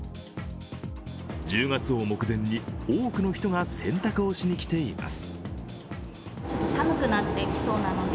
１０月を目前に多くの人が洗濯をしに来ています。